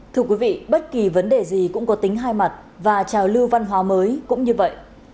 thưa quý vị bất kỳ vấn đề gì cũng có tính hai mặt và trào lưu văn hóa mới cũng như vậy